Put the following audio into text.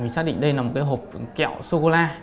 xác định đây là một hộp kẹo sô cô la